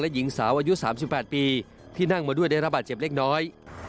หญิงสาวอายุ๓๘ปีที่นั่งมาด้วยได้ระบาดเจ็บเล็กน้อย